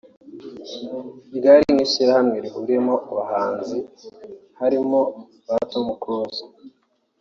ryari nk’ishyirahamwe rihuriyemo abahanzi harimo ba Tom Close